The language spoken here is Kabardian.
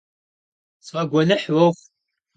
СфӀэгуэныхь уохъу.